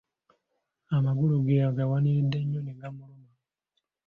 Amagulu ge agawaniride nnyo ne gamuluma.